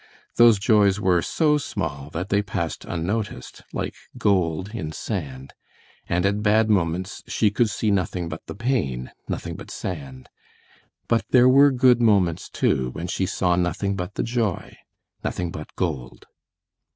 Those joys were so small that they passed unnoticed, like gold in sand, and at bad moments she could see nothing but the pain, nothing but sand; but there were good moments too when she saw nothing but the joy, nothing but gold.